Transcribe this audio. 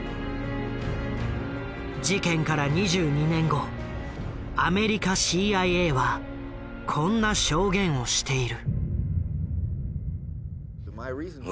事件から２２年後アメリカＣＩＡはこんな証言をしている。